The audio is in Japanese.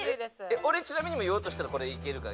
俺ちなみに今言おうとしたのこれいけるか。